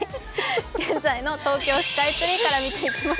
現在の東京スカイツリーから見ていきます。